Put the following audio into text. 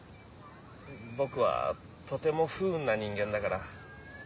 僕はとても不運な人間だから。